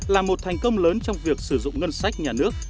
là một thành công lớn trong việc sử dụng ngân sách nhà nước